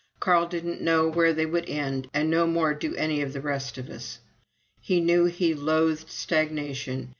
Carl didn't know where they would end, and no more do any of the rest of us. He knew he loathed stagnation.